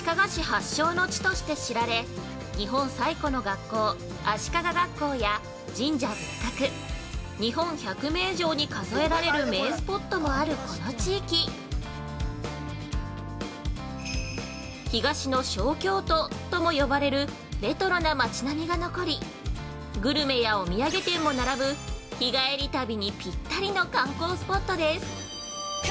発祥の地として知られ日本最古の学校、足利学校や神社仏閣日本１００名城に数えられる名スポットもあるこの地域「東の小京都」とも呼ばれるレトロな町並みが残りグルメやお土産店も並ぶ、日帰り旅にぴったりの観光スポットです。